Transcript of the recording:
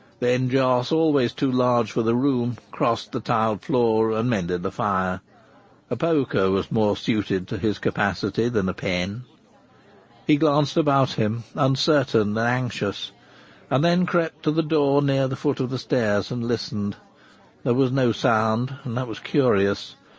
Then Jos, always too large for the room, crossed the tiled floor and mended the fire. A poker was more suited to his capacity than a pen. He glanced about him, uncertain and anxious, and then crept to the door near the foot of the stairs and listened. There was no sound; and that was curious.